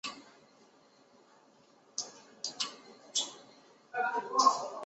湖广钟祥县人。